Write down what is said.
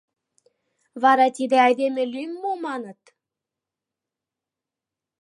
Вара тиде айдеме лӱм мо, маныт!